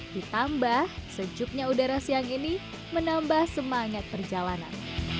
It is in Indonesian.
ditambah sejuknya udara siang ini menambah semangat perjalanan